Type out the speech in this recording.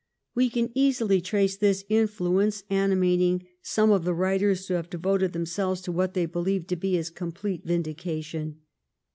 We can easily trace this influence animat ing some of the writers who have devoted themselves to what they believe to be his complete vindication.